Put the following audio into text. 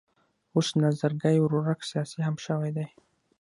اوس نظرګی ورورک سیاسي هم شوی دی.